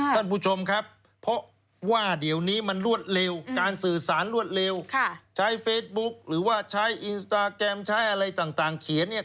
ท่านผู้ชมครับเพราะว่าเดี๋ยวนี้มันรวดเร็วการสื่อสารรวดเร็วใช้เฟซบุ๊คหรือว่าใช้อินสตาแกรมใช้อะไรต่างเขียนเนี่ย